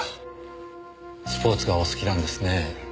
スポーツがお好きなんですねぇ。